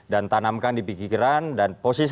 dan tanamkan di pikiran dan posisi